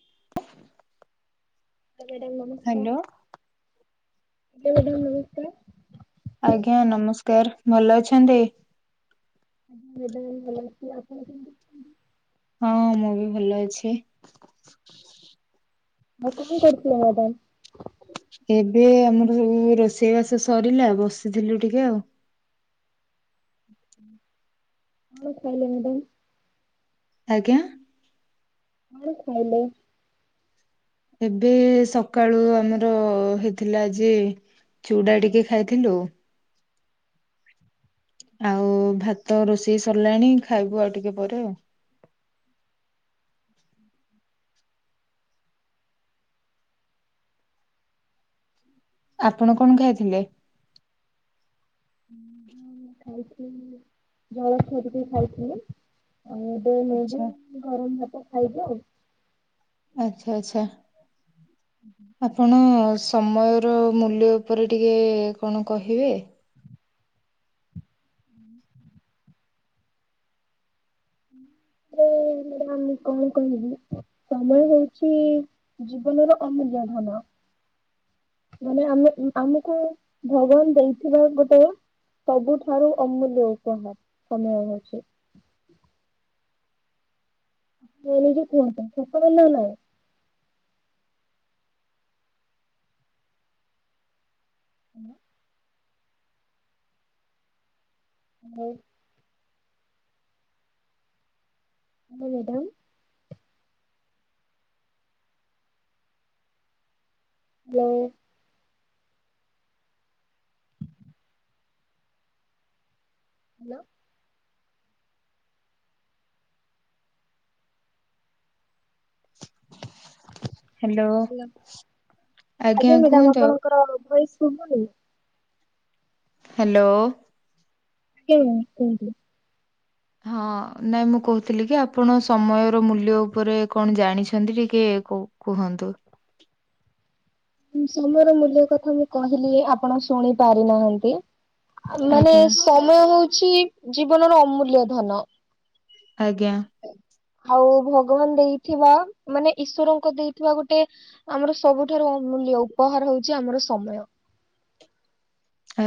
[inaudible] Madam [unintelligible] hello. କେ madam ନମସ୍କାର। ଆଜ୍ଞା ନମସ୍କାର ଭଲ ଅଛନ୍ତି। ଆଜ୍ଞା ମାଡାମ ଭଲ ଅଛି ଆପଣ କେମତି? ହଁ ମୁଁ ବି ଭଲ ଅଛି। ଆଉ କଣ କରୁଥିଲେ ମ୍ୟାଡ଼ାମ? ଏବେ ଆମର ସବୁ ରୋଷେଇ ବାସ ସରିଲା ବସିଥିଲୁ ଟିକେ ଆଉ। କଣ ଖାଇଲେ ମ୍ୟାଡ଼ାମ? ଆଜ୍ଞା। କଣ ଖାଇଲେ? ଏବେ ସକାଳୁ ଆମର ହେଇଥିଲା ଯେ ଚୁଡ଼ା ଟିକେ ଖାଇଥିଲୁ ଆଉ ଭାତ ରୋଷେଇ ସରିଲାଣି ଖାଇବୁ ଆଉ ଟିକେ ପରେ ଆଉ। ହୁଁ ଆପଣ କଣ ଖାଇଥିଲେ? ଉଁ ଖାଇଥିଲି ଜଳଖିଆ ଟିକେ ଖାଇଥିଲି ଆଉ। [inaudible] ନେଇବି ଆଛା ଗରମ ଭାତ ଖାଇବି ଆଉ। ଆଛା ଆଛା। ହୁଁଁ ଆପଣ ସମୟର ମୂଲ୍ୟ ଉପରେ ଟିକିଏ କଣ କହିବେ? ହୁଁ [unintelligible] ଏ ମାଡାମ କଣ କହିବି ସମୟ ହଉଛି ଜୀବନର ଅମୂଲ୍ୟଧନ। ମାନେ ଆମେ ଆମକୁ ଭଗବାନ ଦେଇଥିବା ଗୋଟେ ସବୁଠାରୁ ଅମୂଲ୍ୟ ଉପହାର ସମୟ ହଉଛି। ନାଇଁ ନିକେ କୁହନ୍ତୁ ସେବେ ନା ନହିଁ [unintelligible] ହ ହୁଁ ହେଲୋ ମ୍ୟାଡ଼ାମ୍। ଲୋ ହ୍ୟାଲୋ। ହ୍ୟାଲୋ। ତୋର ଭଏସ୍ ଶୁଭୁନି। ହ୍ୟାଲୋ। କେଉଁ କୁହନ୍ତୁ। ହଁ ନାଇଁ ମୁଁ କହୁଥିଲି କି ଆପଣ ସମୟର ମୂଲ୍ୟ ଉପରେ କଣ ଜାଣିଛନ୍ତି ଟିକେ କଉ କୁହନ୍ତୁ? ଉଁ, ସମୟର ମୂଲ୍ୟ କଥା ମୁଁ କହିଲି ଆପଣ ଶୁଣି ପାରିନାହାନ୍ତି। ଆ, ମାନେ ଆଜ୍ଞା ସମୟ ହଉଛି ଜୀବନର ଅମୂଲ୍ୟ ଧନ। ଆଜ୍ଞା। ଆଉ ଭଗବାନ ଦେଇଥିବା, ମାନେ ଈଶ୍ଵରଙ୍କ ଦେଇଥିବା ଗୋଟେ ଆମର ସବୁଠାରୁ ଅମୂଲ୍ୟ ଉପହାର ହେଉଛି ଆମର ସମୟ।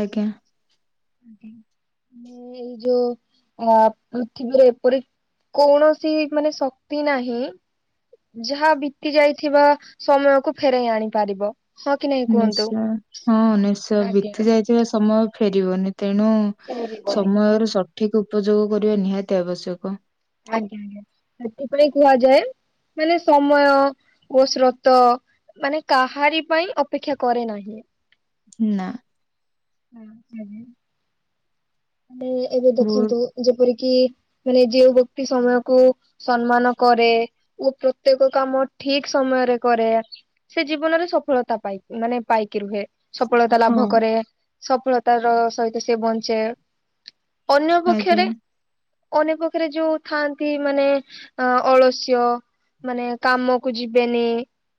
ଆଜ୍ଞା। ଆଜ୍ଞା ମୁଁ ଏଇ ଯୋ ଅ, ପୃଥିବୀରେ ଏପରି କୌଣସି ମାନେ ଶକ୍ତି ନାହିଁ ଯାହା ବିତି ଯାଇଥିବା ସମୟକୁ ଫେରାଇ ଆଣିପାରିବ। ନିଶ୍ଚୟ ହଁ ନିଶ୍ଚ ଆଜ୍ଞା ବିତି ଯାଇଥିବା ସମୟ ଫେରିବନି। ତେଣୁ ଫେରିବନି ସମୟର ଆଜ୍ଞା। ସଠିକ ଉପଯୋଗ କରିବା ନିହାତି ଆବଶ୍ୟକ। ଆଜ୍ଞା ଆଜ୍ଞା ସେଥିପାଇଁ କୁହାଯାଏ ମାନେ ସମୟ ଓ ସ୍ରୋତ ମାନେ କାହାରି ପାଇଁ ଅପେକ୍ଷା କରେ ନାହିଁ। ନା। [inaudible] ମାନେ ଏବେ ବହୁତ ଦେଖନ୍ତୁ ଯେପରିକି ମାନେ ଯୋଉ ବ୍ୟକ୍ତି ସମୟକୁ ସମ୍ମାନ କରେ ଓ ପ୍ରତ୍ୟେକ କାମ ଠିକ ସମୟରେ କରେ। ସେ ଜୀବନରେ ସଫଳତା ପାଇ ମାନେ ପାଇକି ରୁହେ। ସଫଳତା ହଁ ଲାଭ କରେ ସଫଳତା ର ସହିତ ସେ ବଞ୍ଚେ। ଅନ୍ୟ ଆଜ୍ଞା ପକ୍ଷରେ ଅନ୍ୟ ପକ୍ଷରେ ଯୋଉ ଥାଆନ୍ତି ମାନେ ଅ, ଅଳସ୍ୟ ମାନେ କାମକୁ ଯିବେନି।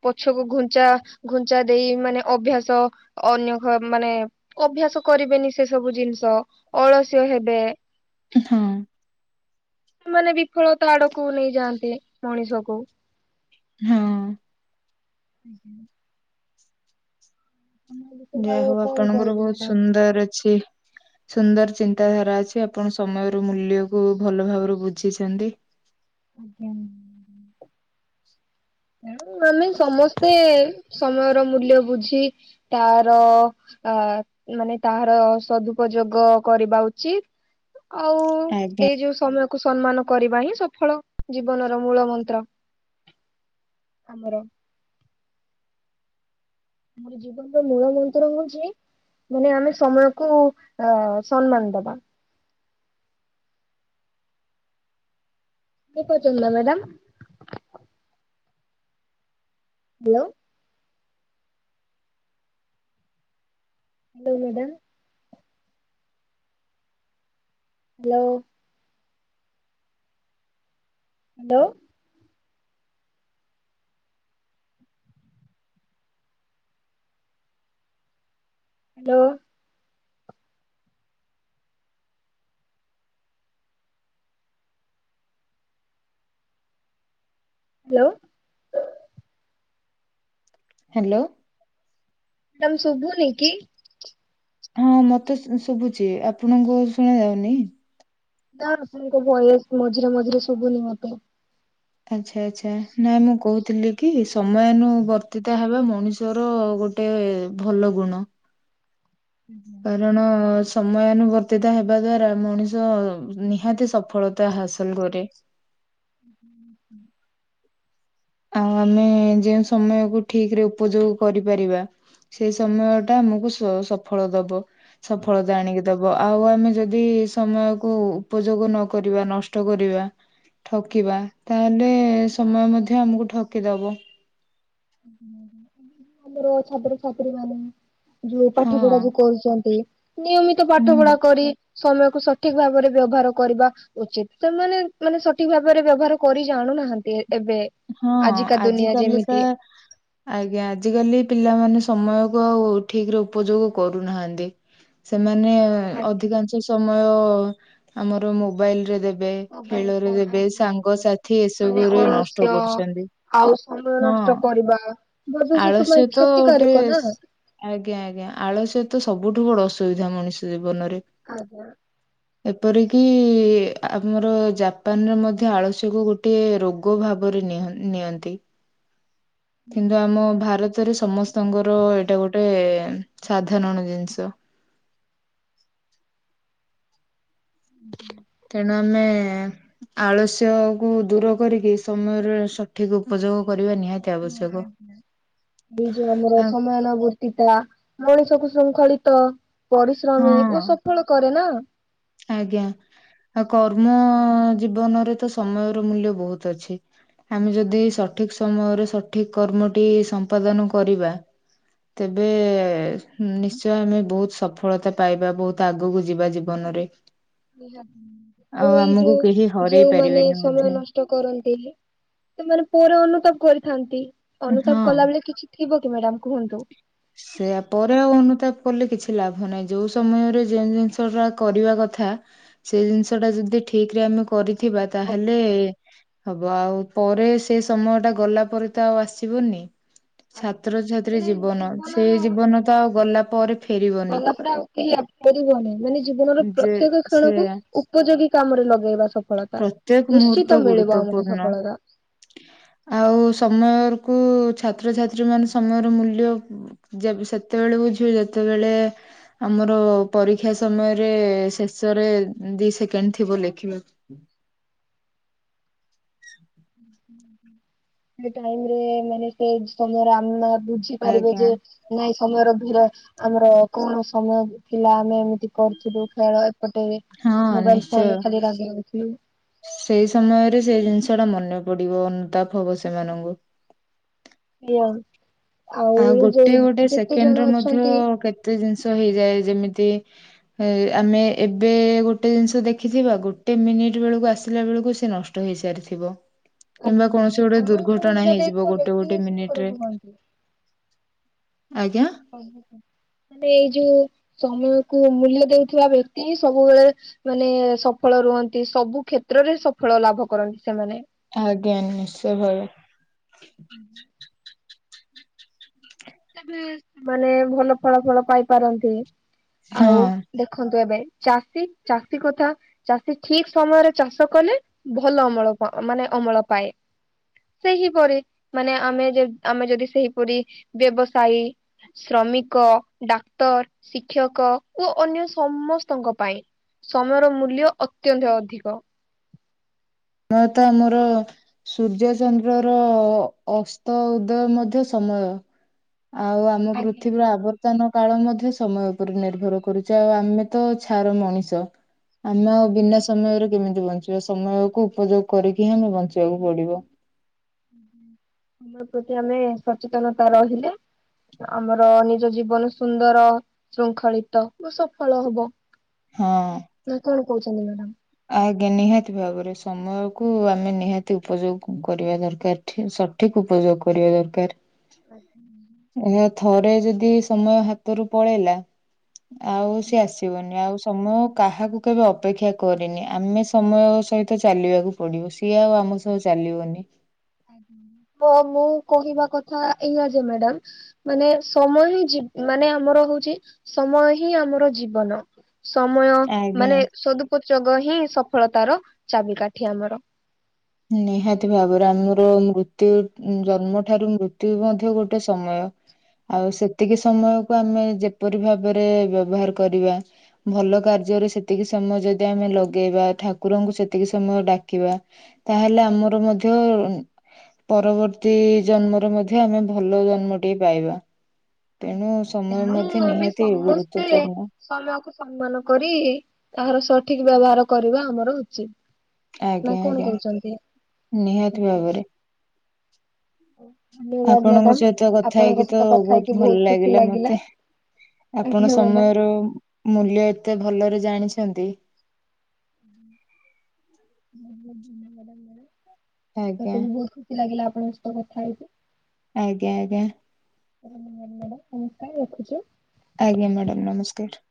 ପଛକୁ ଘୁଞ୍ଚା ଘୁଞ୍ଚା ଦେଇ ମାନେ ଅଭ୍ୟାସ ଅନ୍ୟ ଘ- ମାନେ ଅଭ୍ୟାସ କରିବେନି ସେ ସବୁ ଜିନିଷ। ଅଳସ୍ୟ ହେବେ। ହଁ। ମାନେ ବିଫଳତା ଆଡକୁ ନେଇଯାଆନ୍ତି ମଣିଷ କୁ। ହଁ। ହୁଁ, ହୁଁ। ବିଷୟରେ ଯାହା ଆଉ ହଉ କଣ ଆପଣଙ୍କର କହିବି ବହୁତ ମ୍ୟାଡାମ। ସୁନ୍ଦର ଅଛି। ସୁନ୍ଦର ଚିନ୍ତାଧାରା ଅଛି ଆପଣ ସମୟରୁ ମୂଲ୍ୟକୁୁ ଭଲ ଭାବରେ ବୁଝିଛନ୍ତି। ଆଜ୍ଞା। ତେଣେ ଆମେ ସମସ୍ତେ ସମୟର ମୂଲ୍ୟ ବୁଝି ତାର ଆ, ମାନେ ତାହାର ସଦୁପଯୋଗ କରିବା ଉଚି ଆଉ ଆଜ୍ଞା ଏଇ ଯୋଉ ସମୟକୁ ସମ୍ମାନ କରିବା ହିଁ ସଫଳ ଜୀବନର ମୂଳ ମନ୍ତ୍ର ଆମର। ଜୀବନର ମୂଳ ମନ୍ତ୍ର ହୋଉଚି। ମାନେ ଆମେ ସମୟକୁ ଅ ସମ୍ମାନ ଦବା। ଶୁଣି ପାରୁଚନ୍ତି ନା madam. Hello. Hello madam. Hello. Hello. Hello. Hello. Hello. Madam ଶୁଭୁନି କି? ହଁ ମତେ ଶୁ-ଶୁବୁଚି। ଆପଣଙ୍କୁ ଶୁଣା ଯାଉନି? ନାଁ ଆପଣଙ୍କ ଭଏସ ମଝିରେ ମଝିରେ ସୁବୁନି ମତେ। ଆଚ୍ଛା ଆଚ୍ଛା ନାଇ ମୁଁ କହୁଥିଲି କି ସମୟାନୁବର୍ତ୍ତିତ ହେବା ମଣିଷର ଗୋ ଟେ ଭଲ ଗୁଣ। କାରଣ ସମୟାନୁବର୍ତ୍ତିତ ହେବା ଦ୍ଵାରା ମଣିଷ ନିହାତି ସଫଳତା ହାସଲ କରେ। ହୁଁ ହୁଁ। [inaudible] ଆଉ ଆମେ ଯେଉଁ ସମୟକୁ ଠିକରେ ଉପଯୋଗ କରିପାରିବା। ସେଇ ସମୟଟା ଆମକୁ ସୋ ସଫଳ ଦବ ସଫଳତା ଆଣିକି ଦବ ଆଉ ଆମେ ଯଦି ସମୟକୁ ଉପଯୋଗ ନକରିବା ନଷ୍ଟ କରିବା। ଠକିବା ତାହେଲେ ସମୟ ମଧ୍ୟ ଆମକୁ ଠକିଦବ। ଆମର ଛାତ୍ରଛାତ୍ରୀ ମାନେ ଯୋଉ ହଁ ପାଠ ପଢା ଯୋଉ କରୁଚନ୍ତି ନିୟମିତ ହୁଁ ପାଠ ପଢା କରି ସମୟକୁ ସଠିକ୍ ଭାବରେ ବ୍ୟବହାର କରିବା ଉଚିତ। ସେମାନେ ମାନେ ସଠିକ୍ ଭାବରେ ବ୍ୟବହାର କରି ଜାଣୁନାହାନ୍ତି ଏବେ। ହଁ ଆଜିକା ଆଜିି ଦୁନିଆ କାଲି କା ଯେମିତି ଆଜ୍ଞା ଆଜି କାଲି ପିଲାମାନେ ସମୟକୁ ଆଉ ଠିକ୍ ରେ ଉପଯୋଗ କରୁନାହାନ୍ତି। ସେମାନେ ଆଜ୍ଞା ଅଧିକାଂଶ ସମୟ ଆମର ମୋବାଇଲରେ ଦେ ଖିବେ ମୋବାଇଲ ଖେଳରେ ଫୋନ ଯେବେ ଆଜ୍ଞା ଆଜ୍ଞା ସାଙ୍ଗସାଥି ମାନେ ଏସବୁରେ ନ [unintelligible] ଅଳସ୍ୟ କରୁଚନ୍ତି ଆଉ ସମୟ ହଁ ନଷ୍ଟ କରିବା ଭବିଷ୍ୟତ ପାଇଁ ଆଳସ୍ୟ ତ ଗୋଟେ କ୍ଷତିକାରକ ନା ଆଜ୍ଞା ଆଜ୍ଞା ଆଳସ୍ୟ ତ ସବୁଠୁ ବଡ ଅସୁବିଧା ମଣିଷ ଜୀବନରେ। ଆଜ୍ଞା। [unintelligible] ଏପରିକି ଆମର ଜାପାନରେ ମଧ୍ୟ ଆଳସ୍ୟକୁ ଗୋଟିଏ ରୋଗ ଭା ବରେ ନିଅ-ନିଅନ୍ତି କିନ୍ତୁ ଆମ ଭାର ତରେ ସମସ୍ତଙ୍କର ଏଇଟା ଗୋଟେ ସାଧାରଣ ଜିନିଷ। ହୁଁ ହୁଁ। କାରଣ ଆମେ ଆଳସ୍ୟକୁୁ ଦୂର କରିକି ସମୟରେ ଠିକ୍ ଉପଯୋଗ କରିବା ନି [inaudible] ହଁ ଆଜ୍ଞା ଏ ଯୋଉ ଆମର ଆଉ ସମୟାନବୁ ଏକଲା ମଣିଷକୁ ଶୃଙ୍ଖଳିତ ପରିଶ୍ରମୀ ହଁ ଓ ସଫଳ କରେନା। ଆଜ୍ଞା। ଆ କର୍ମ ଜୀବନରେ ତ ସମୟର ମୂଲ୍ୟ ବୋହୁତ ଅଛି। ଆମେ ଯଦି ଆଉ ସଠିକ୍ ସମୟରେ ସଠିକ୍ କର୍ମଟି ସମ୍ପାଦନ କରିବା। ତେବେ ଏ ଏ, ନିଶ୍ଚୟ ଆମେ ବହୁତ ସଫଳତା ପାଇବା, ବହୁତ ଆଗକୁ ଯିବା ଜୀବନରେ। ନିହାତି, ଆଉ ଏଇ ଆମକୁ କେହି ଯୋଉ ହରେଇ ଯଉମାନେ ପାରିବେନି ସମୟ ମଧ୍ୟ ନଷ୍ ଟ କରନ୍ତି, ସେମାନେ ପରେ ଅନୁତାପ କରିଥାନ୍ତି। ଅନୁତାପ କଲା ବଳେ କିଛ୍ ଠିକ କି ମ୍ୟାଡ଼ାାମ କୁହନ୍ତୁ ହ [unintelligible] [inaudible] ସେଇଆ, ପରେ ଆଉ ଅନୁତାପ କଲେ କିଛି ଲାଭ ନାହିଁ। ଯୋଉ ସମୟରେ ଯେଉଁ ଜିନିଷ ଟା କରିବା କଥା ସେଇ ଜିନିଷ ଟା ଯଦି ଠିକ ରେ ଆମେ କରିଥିବା, ତାହେଲେ ଆଜ୍ଞା ହବ ଆଉ, ପରେ ସେ ସମୟ ଟା ଗଲା ପରେ ତ ଆଉ ଆସିବନି। ଆଜ୍ଞା ଛାତ୍ରଛାତ୍ରୀ ର ମାନେ ଜୀବନ, ଜୀବନର ସେଇ ଜୀବନ ତ ଆଉ ଗଲା ପରେ ଫେରିବନି। କରିବନି, ମାନେ ଜୀବନର ଯେ ପ୍ରତ୍ୟେକ କ୍ଷଣକୁ ସେୟା ଉପଯୋଗୀ କାମରେ ଲଗେଇବା ସଫଳତା। ତ୍ୟେକ ନିଶ୍ଚିତ ମୁହୂର୍ତ ମିଳିବ ଆମକୁ ଗୁରୁତଵପୂର୍ଣ୍ଣ। ସଫଳତା। ଆଉ ସମୟ କୁ, ଛାତ୍ରଛାତ୍ରୀ ମାନେ ସମୟର ମୂଲ୍ୟ ଯେବ୍, ସେତେବେଳେ ବୁଝିବେ ଯେତେବେଳେ ଆମର ଅ ପରୀକ୍ଷା ସମୟରେ, ଶେଷରେ, ଦି ସେକେଣ୍ଡ ଥିବ ଲେଖିବାକୁ। ସେ ଟାଇମ୍ ରେ, ମାନେ ସେ ସମୟରେ ଆମେ ବୁଝିପାରିବେ ଆଜ୍ଞା। ଯେ ନାଇଁ ସମୟର ଭିର, ଆମର କଣ ସମୟ ଥିଲା? ଆମେ ଏମିତି କରିୁଥିଲୁ, ଖେଳ ପଟେ, ହଁ ମୋବାଇଲ ନିଶ୍ଚୟ ଫୋନରେ ଖାଲି ରାଗ୍ ରାଉଥିଲୁ। ସେଇ ସମୟରେ, ସେଇ ଜିନିଷ ଟା ମନେ ପଡିବ, ଅନୁତାପ ହବ ସେମାନଙ୍କୁ। ଆ ଆଉ [unintelligible] ଆ ଏଇ ଗୋଟେ ଯୋଉ ଗୋଟେ ଯେତେ ଜଣ ସେକେଣ୍ଡରେ ମଧ୍ୟ, ଅଛନ୍ତି କେତେ ଜିନିଷ ହେଇଯାଏ। ଯେମିତି ଏ, ଆମେ ଏବେ ଗୋଟେ ଜିନିଷ ଦେଖିଥିବା, ଗୋଟେ ମିନିଟ୍ ବେଳକୁ ଆସିଲା ବେଳକୁ ସେ ନଷ୍ ଟ ହେଇସାରିଥିବ, କିମ୍ବା କୌଣସି ଗୋଟେ ସମୟକୁ ଦୁର୍ଘଟଣା ମୂଲ୍ୟ ହେଇଯିବ ଦେଇଥିବ ଗୋଟେ ଦେଖିକି ଗୋଟେ ମିନିଟ୍ ସୁଖରେ ରେ। କୁହନ୍ତି ଆଜ୍ଞା। ମାନେ ଏଇ ଯୋଉ ସମୟ କ ମୂଲ୍ୟ ଦଉଥିବା ବ୍ୟକ୍ତି, ସବୁବେଳେ ମାନେ ଏ ସଫଳ ରୁହନ୍ତି, ସବୁ କ୍ଷେତ୍ରରେ ସଫଳ ଲାଭ କରନ୍ତି ସେମାନେ। ଆଜ୍ଞା, ନିଶ୍ଚୟ ଭାବେ। ବେ ସେମାନେ ଭଲ ଫଳା ଫଳ ପାଇପାରନ୍ତି, ହଁ ଆଉ ଦେଖନ୍ତୁ ଏବେ, ଚାଷୀ ଚାଷୀ କଥା। ଚାଷୀ ଠିକ ସମୟରେ ଚାଷ କଲେ, ଭଲ ଅମଳ ପ ମାନେ ଅମଳ ପାଏ। ସେହିପରି, ମାନେ ଆମେ ଆମେ ଯଦି ସେହିପରି ବ୍ୟବସାୟୀ। ଶ୍ରମିକ, ଡାକ୍ତର, ଶିକ୍ଷକ ଓ ଅନ୍ୟ ସମସ୍ତଙ୍କ ପାଇଁ। ସମୟର ମୂଲ୍ୟ, ଅତ୍ୟନ୍ତ ଅଧିକ। ମୁ ତ ମୋର। ସୂର୍ଯ୍ୟ ଚନ୍ଦ୍ରର ଅସ୍ତ ଉଦୟ ମଧ୍ୟ ସମୟ। ଆଉ ଆମ ଆଜ୍ଞା। ପୃଥିବୀର ଆବର୍। ତାନ କାଳ ମଧ୍ୟ, ସମୟ ଉପରେ ନିର୍ଭର କରୁଛେ। ଆଉ ଆମେ ତ ଛାର ମଣିଷ। ଆମେ ଆଉ ବିନା ସମୟରେ କେମିତି ବଞ୍ଚିବା? ସମୟକୁ ଉପଯୋଗ କରିକି ହିଁ ଆମେ ବଞ୍ଚିବାକୁ ପଡିବ। ଆମ ପ୍ରତି ଆମେ ସଚେତନତା ରହିଲେ। ଆମର ନିଜ ଜୀବନ ସୁନ୍ଦର, ଶୃଙ୍ଖଳିତ, ଓ ସଫଳ ହବ। ହଁ। ନା କଣ କହୁଚନ୍ତି ମ୍ୟାଡ଼ାମ୍? ଆଜ୍ଞା। ନିହାତି ଭାବରେ, ସମୟ କୁ ଆମେ ନିହାତି ଉପଯୋଗ କରିବା ଦର୍କାର୍। ଠିକ୍, ସଠିକ୍ ଉପଯୋଗ୍ କରିବା ଦର୍କାର୍। ଆଛା। [unintelligible] [inaudible] ଆଅ ଥରେ ଯଦି ସମୟ ହାତରୁ ପଳେଇଲା, ଆଉ ସେ ଆସ୍ ବନି ଆଉ ସମୟ କାହାକୁ କେବେ ଅପେକ୍ଷା କରି କରେନି ଆମେ ସମୟ ସହିତ ଚାଲିବାକୁ ପଡ଼ିବ ସିଏ ଆଉ ଆମ ସହ ଚାଲିବନି। ହଁ ମୁଁ କହିବା କଥା ଏୟା ଯେ ମ୍ୟାଡ଼ାମ୍ ମାନେ ସମୟ ହି ଜି ହେଇଛି ମାନେ ଆମର ହଉଛି ସମୟ ହିଁ ଆମର ଜୀବନ। ସମୟ ଆଜ୍ଞା। ମାନେ ସଦୁପଯୋଗ ହିଁ ସଫଳତାର ଚାବିକାଠି ଆମର। ନିହାତି ଭାବରେ ଆମର ମୃତ୍ୟୁ ଜନ୍ମ ଠାରୁ ମୃତ୍ୟୁ ମଧ୍ୟ ଗୋଟେ ସମୟ। ଆଉ ସେତିକି ସମୟକୁ ଆମେ ଯେପରି ଭାବରେ ବ୍ୟବହାର କରିବା ଭଲ କାର୍ଯ୍ୟରେ ସେତିକି ସମୟ ଯଦି ଆମେ ଲଗେଇବା ଠାକୁରଙ୍କୁ ସେତିକି ସମୟ ଡାକିବା ତାହେଲେ ଆମର ମଧ୍ୟ ପରବର୍ତ୍ତୀ ଜନ୍ମରେ ମଧ୍ୟ ଆମେ ଭଲ ଜନ୍ମଟି ପାଇବା। ତେଣୁ ସମୟ ତେଣୁ ମଧ୍ୟ ଆମେ ନିହାତି ସମସ୍ତେ ଗୁରୁତ୍ୱପୂର୍ଣ୍ଣ। ସମୟକୁ ସମ୍ମାନ କରି ତାହାର ସଠିକ୍ ବ୍ୟବହାର କରିବା ଆମର ଉଚିତ୍। ନା ଆଜ୍ଞା କଣ ଆଜ୍ଞା କହୁଛନ୍ତି ନିହାତି ଆଜ୍ଞା? ଭାବରେ। ଧନ୍ୟବାଦ ଆପଣଙ୍କ ମ୍ୟାଡାମ ସହିତ କଥା ଆପଣଙ୍କ ହେଇକି ତ ସହିତ କଥା ବହୁତ୍ ହେଇକି ଭଲ ବହୁତ ଖୁସି ଲାଗିଲା ମତେ। ଆଜ୍ଞା ଆପଣ ମ୍ୟାଡାମ। ସମୟର ମୂଲ୍ୟ ଏତେ ଭଲରେ ଜାଣିଛନ୍ତି ମତେ ଆଜ୍ଞା ବି ବହୁତ୍ ଖୁସି ଲାଗିଲା ଆପଣଙ୍କ ସହିତ କଥା ହେଇକି। ଆଜ୍ଞା ଆଜ୍ଞା। [unintelligible] ମାଡାମ ନମସ୍କାର ରଖୁଚି। ଆଜ୍ଞା ମ୍ୟାଡ଼ାମ୍ ନମସ୍କାର୍।